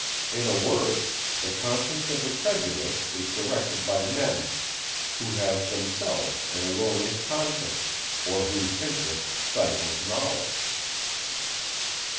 In a word, the conscience of the credulous is directed by men, who have themselves an erroneous conscience, or whose interest stifles knowledge.